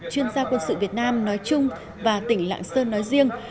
chuyên gia quân sự việt nam nói chung và tỉnh lạng sơn nói riêng